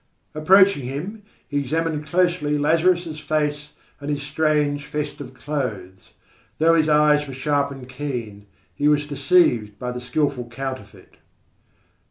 Approaching him, he examined closely Lazarus' face and his strange festive clothes. Though his eyes were sharp and keen, he was deceived by the skilful counterfeit.